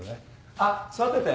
あっ座ってて。